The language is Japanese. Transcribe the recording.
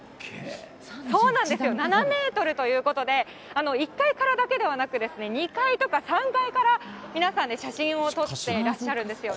そうなんですよ、７メートルということで、１階からだけではなくて、２階とか３階から、皆さん、写真を撮ってらっしゃるんですよね。